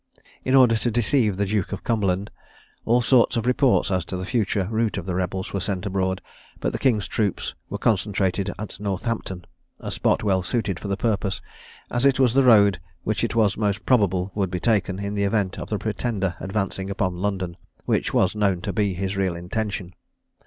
In order to deceive the Duke of Cumberland, all sorts of reports as to the future route of the rebels were sent abroad, but the King's troops were concentrated at Northampton, a spot well suited for the purpose, as it was the road which it was most probable would be taken, in the event of the Pretender advancing upon London, which was known to be his real intention.